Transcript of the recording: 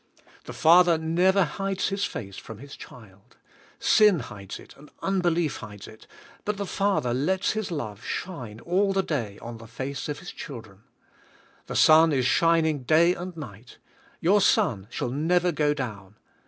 The Father never hides His face from His child. Sin hides it, and unbelief hides it, but the Father lets His love shine all the day on the face of His children. The sun is shining day and night. Your sun shall never go down.